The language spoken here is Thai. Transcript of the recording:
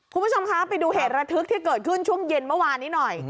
คุณผู้ชมคะไปดูเหตุระทึกที่เกิดขึ้นช่วงเย็นเมื่อวานนี้หน่อย